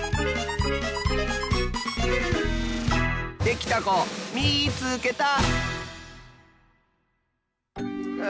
できたこみいつけた！